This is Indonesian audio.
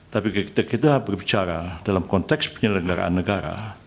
tapi kita berbicara dalam konteks penyelenggaraan negara